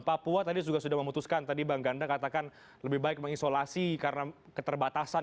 papua tadi juga sudah memutuskan tadi bang ganda katakan lebih baik mengisolasi karena keterbatasan